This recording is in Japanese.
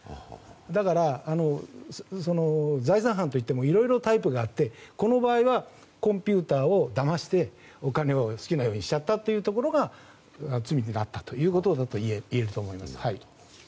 だから、財産犯といってもいろいろタイプがあってこの場合はコンピューターをだましてお金を好きなようにしちゃったというところが罪になったということがいえると思います。